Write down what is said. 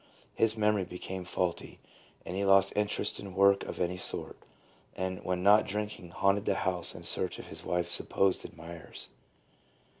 His memory became faulty, and he lost interest in work of any sort, and when not drinking haunted the house in search of his wife's supposed admirers.